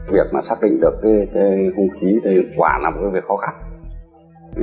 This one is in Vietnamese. việc mà xác định được hương khí thì quả là một việc khó khăn